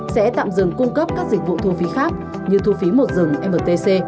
sẽ tạm dừng cung cấp các dịch vụ thu phí khác như thu phí một dừng mtc